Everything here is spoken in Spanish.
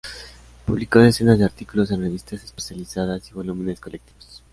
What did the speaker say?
Publicó decenas de artículos en revistas especializadas y volúmenes colectivos.